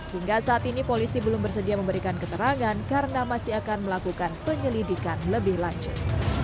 hingga saat ini polisi belum bersedia memberikan keterangan karena masih akan melakukan penyelidikan lebih lanjut